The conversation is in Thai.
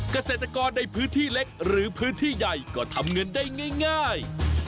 เกษตรกรในพื้นที่เล็กหรือพื้นที่ใหญ่ก็ทำเงินได้ง่าย